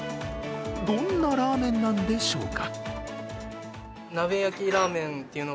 どんなラーメンなんでしょうか。